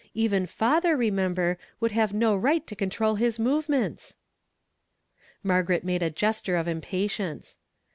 Even father remember, would have no right to control his movements." Margaret made a gesture of impatience.